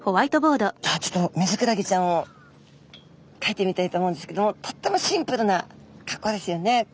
じゃあちょっとミズクラゲちゃんをかいてみたいと思うんですけどもとってもシンプルな格好ですよね。